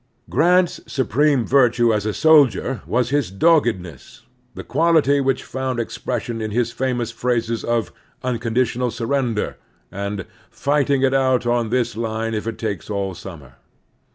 Grant's supreme virtue as a soldier was his doggedness, the quality which foimd expression in his famotis phrases of " tmconditional sur ao8 The Strenuous Life tender" and "fighting it out on this line if it takes all stimmer."